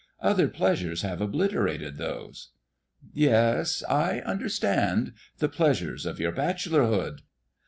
Other pleasures have obliterated those." "Yes, I understand, the pleasures of your bachelorhood!